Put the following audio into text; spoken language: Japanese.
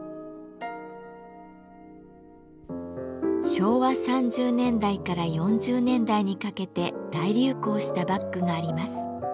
昭和３０年代から４０年代にかけて大流行したバッグがあります。